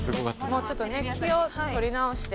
もうちょっとね気を取り直して。